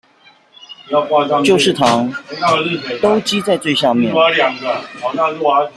就是糖都積在最下面